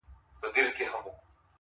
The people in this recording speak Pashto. زما خالده نور د هيلو لۀ تکراره وتم